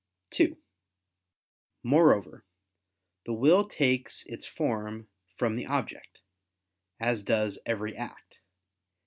(2) Moreover, the will takes its form from the object, as does every act.